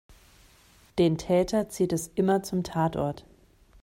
Den Täter zieht es immer zum Tatort.